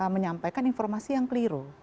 menyampaikan informasi yang keliru